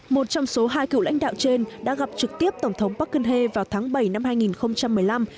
một trong số hai cựu lãnh đạo trên đã gặp trực tiếp tổng thống parkene vào tháng bảy năm hai nghìn một mươi năm